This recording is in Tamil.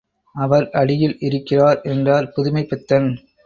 அவர் அடியில் இருக்கிறார் என்றார் புதுமைப்பித்தன்.